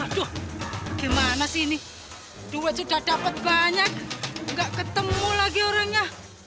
aduh gimana sih ini duit sudah dapat banyak nggak ketemu lagi orangnya